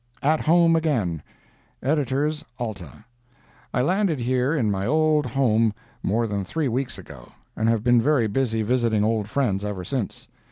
AT HOME AGAIN EDITORS ALTA: I landed here in my old home more than three weeks ago, and have been very busy visiting old friends ever since.